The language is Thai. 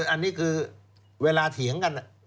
อันนี้คือเวลาเถียงกัน